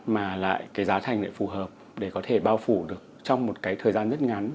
mà lại cái giá thành lại phù hợp để có thể bao phủ được trong một cái thời gian rất ngắn